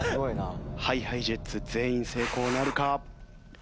ＨｉＨｉＪｅｔｓ全員成功なるか？